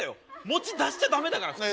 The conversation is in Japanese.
持ち出しちゃダメだから普通。